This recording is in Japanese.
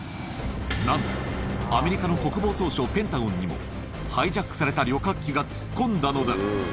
なんとアメリカの国防総省・ペンタゴンにも、ハイジャックされた旅客機が突っ込んだのだ。